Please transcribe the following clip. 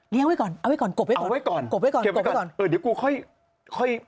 เลี้ยงไว้ก่อนเอาไว้ก่อนกบไว้ก่อนเก็บไว้ก่อนเออเดี๋ยวกูค่อยค่อย